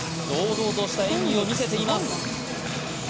堂々とした演技を見せています